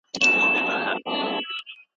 استاد له شاګرد سره مشوره وکړه.